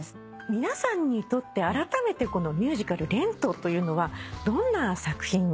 皆さんにとってあらためてこのミュージカル『ＲＥＮＴ』というのはどんな作品ですか？